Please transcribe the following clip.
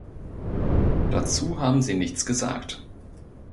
Dazu haben Sie nichts gesagt.